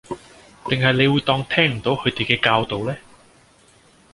定係你會當聽唔到佢哋嘅教導呢